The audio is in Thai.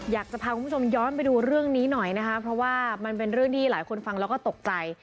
อยากจะพาคุณผู้ชมย้อนไปดูเรื่องนี้หน่อยนะคะเพราะว่ามันเป็นเรื่องที่หลายคนฟังแล้วก็ตกใจ